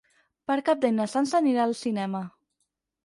Per Cap d'Any na Sança anirà al cinema.